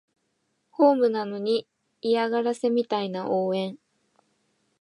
ホームなのに嫌がらせみたいな応援